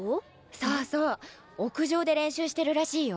そうそう屋上で練習してるらしいよ。